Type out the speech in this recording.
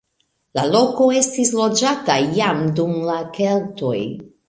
La loko estis loĝata jam dum la keltoj.